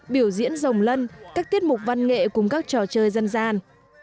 biểu diễn rồng lân các tiết mục văn nghệ cùng các trò chơi dân gian